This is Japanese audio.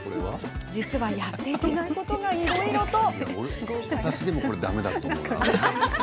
実は、やってはいけないことがいろいろと。